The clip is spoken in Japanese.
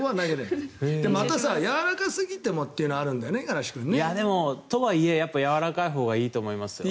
でもやわらかすぎてもというのがあるんだよね、五十嵐君ね。とはいえやわらかいほうがいいと思いますよ。